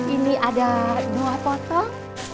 ini ada dua total